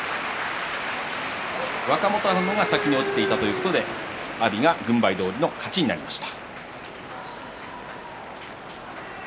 若元春の方が先に落ちていたということで阿炎が軍配どおりの勝ちになりました。